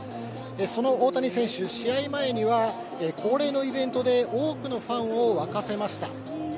その大谷選手、試合前には恒例のイベントで多くのファンを沸かせました。